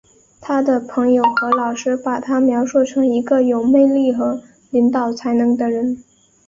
他的朋友和老师把他描述成一个有魅力的和领导才能的人。